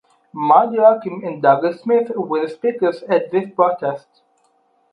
Maud Joachim and Douglas Smith were the speakers at this protest.